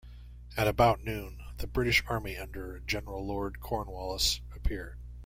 At about noon, the British army under General Lord Cornwallis appeared.